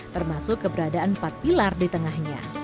termasuk keberadaan empat pilar di tengahnya